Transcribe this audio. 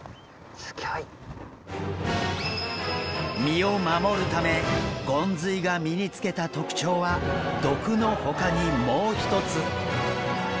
身を守るためゴンズイが身につけた特徴は毒のほかにもう一つ。